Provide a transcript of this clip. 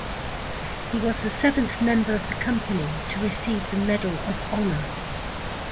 He was the seventh member of the company to receive the Medal of Honor.